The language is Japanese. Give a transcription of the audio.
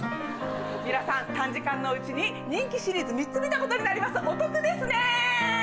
皆さん短時間のうちに人気シリーズ３つ見たことになりますお得ですね